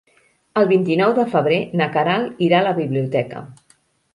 El vint-i-nou de febrer na Queralt irà a la biblioteca.